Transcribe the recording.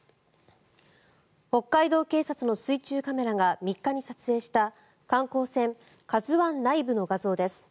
北海道警察の水中カメラが３日に撮影した観光船「ＫＡＺＵ１」内部の画像です。